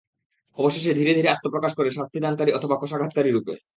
অবশেষে ধীরে ধীরে আত্মপ্রকাশ করে শাস্তিদানকারী অথবা কশাঘাতকারী রূপে।